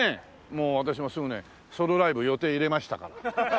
もう私もすぐねソロライブ予定入れましたから。